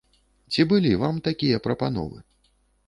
Ці былі вам такія прапановы?